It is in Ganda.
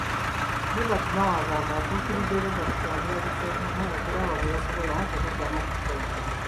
Nobert Mao agamba atuukiridde Robert Kyagulanyi Ssentamu okulaba bwe basobola okuddamu okukolagana.